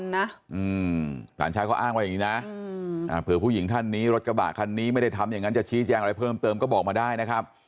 หลานชายเขาอ้างว่าอย่างนี้นะเผื่อผู้หญิงท่านนี้รถกระบะคันนี้ไม่ได้ทำอย่างนั้นจะชี้แจงอะไรเพิ่มเติมก็บอกมาได้นะครับ